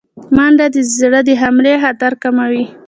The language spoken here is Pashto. منډه د زړه د حملې خطر کموي